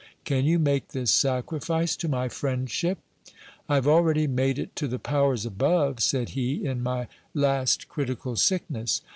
Can you make this sacrifice to my friendship? I have already made it to the powers above, said I e, in my last critical sickness.